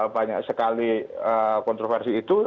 banyak sekali kontroversi itu